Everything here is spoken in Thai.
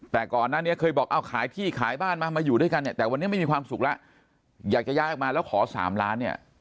แต่ก่อนหน้านี้เคยบอกเอาขายที่ขายบ้านมามาอยู่ด้วยกันเนี่ยแต่วันนี้ไม่มีความสุขแล้วอยากจะย้ายออกมาแล้วขอ๓ล้านเนี่ย